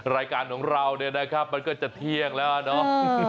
รายการของเราเนี่ยนะครับมันก็จะเที่ยงแล้วเนาะ